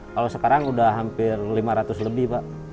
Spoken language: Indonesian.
kalau sekarang udah hampir lima ratus lebih pak